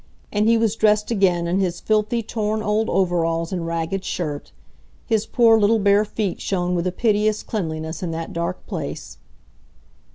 And he was dressed again in his filthy, torn old overalls and ragged shirt. His poor little bare feet shone with a piteous cleanliness in that dark place.